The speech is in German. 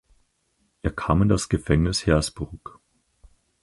Er kam in das Gefängnis Hersbruck.